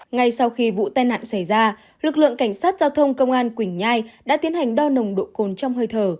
ngay sau khi vụ tai nạn xảy ra lực lượng cảnh sát giao thông công an quỳnh nhai đã tiến hành đo nồng độ cồn trong hơi thở